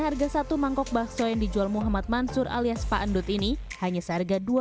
harga satu mangkok bakso yang dijual muhammad mansur alias pak endut ini hanya seharga